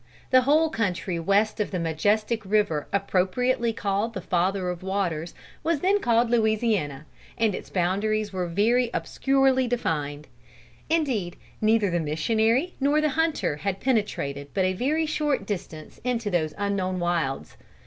The whole country west of the majestic river appropriately called the Father of Waters, was then called Louisiana, and its boundaries were very obscurely defined. Indeed neither the missionary nor the hunter had penetrated but a very short distance into those unknown wilds.